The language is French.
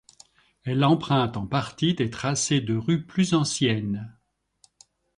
Elle emprunte en partie des tracés de rues plus anciennes.